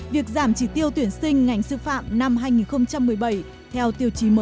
việc giảm chỉ tiêu tuyển sinh ngành sư phạm năm hai nghìn một mươi bảy theo tiêu chí mới